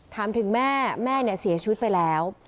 ถามถึงแม่แม่เนี่ยเสียชีวิตไปแล้ว